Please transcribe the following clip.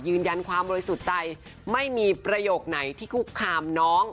ยืนยันความบริสุทธิ์ใจไม่มีประโยคไหนที่คุกคามน้อง